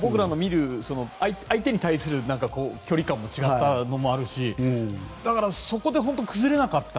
相手に対する距離感も違ったのもあるしだからそこで本当に崩れなかった。